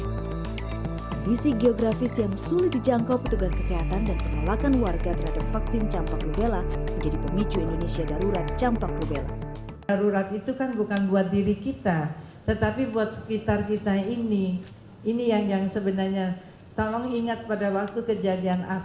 kondisi geografis yang sulit dijangkau petugas kesehatan dan penolakan warga terhadap vaksin campak rubella